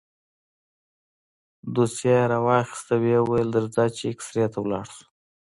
دوسيه يې راواخيسته ويې ويل درځه چې اكسرې ته ولاړ شو.